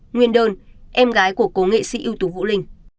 nguyên đơn em gái của cô nghệ sĩ yêu tú vũ linh